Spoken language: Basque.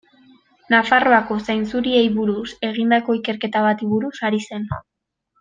Nafarroako zainzuriei buruz egindako ikerketa bati buruz ari zen.